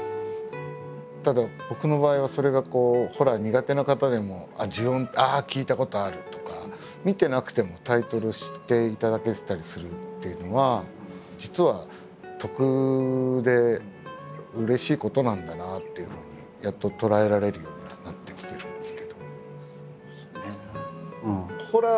ただ僕の場合はそれがこうホラー苦手な方でも「『呪怨』ああ聞いたことある」とか見てなくてもタイトル知っていただけてたりするっていうのは実は得でうれしいことなんだなっていうふうにやっと捉えられるようにはなってきてるんですけど。